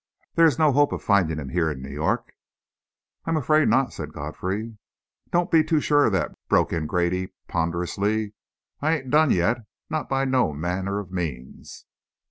There is no hope of finding him here in New York?" "I am afraid not," said Godfrey. "Don't be too sure of that!" broke in Grady ponderously. "I ain't done yet not by no manner of means!"